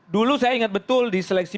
dulu saya ingat betul di seleksi